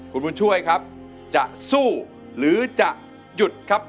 คุณบุญช่วยครับจะสู้หรือจะหยุดครับ